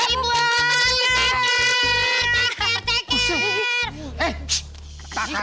ibu ibu kelindes